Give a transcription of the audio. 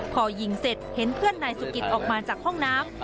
พอยิงเสร็จเห็นเพื่อนนายสุกิตออกมาจากห้องน้ำ